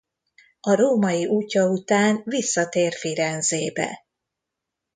A római útja után visszatér Firenzébe.